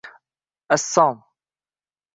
Assom